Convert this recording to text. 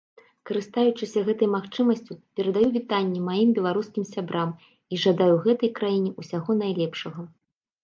Карыстаючыся гэтай магчымасцю, перадаю вітанні маім беларускім сябрам і жадаю гэтай краіне ўсяго найлепшага.